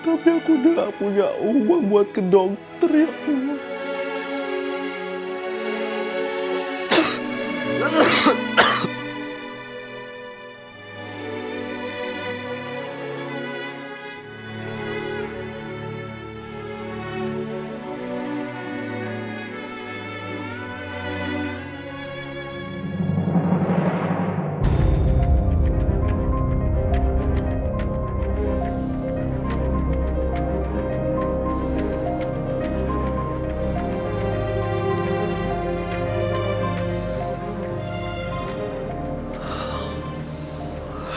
tapi aku udah gak punya uang buat ke dokter ya allah